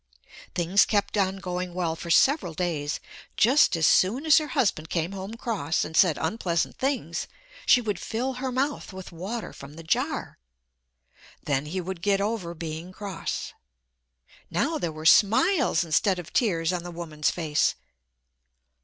Things kept on going well for several days. Just as soon as her husband came home cross and said unpleasant things she would fill her mouth with water from the jar. Then he would get over being cross. Now there were smiles instead of tears on the woman's face.